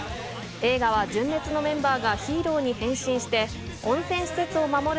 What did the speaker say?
映画は純烈のメンバーがヒーローに変身して、温泉施設を守る